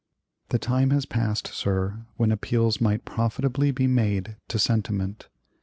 "The time has passed, sir, when appeals might profitably be made to sentiment.